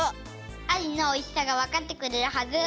アジのおいしさがわかってくれるはず。